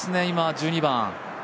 今１２番。